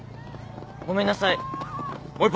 ごめんなさい。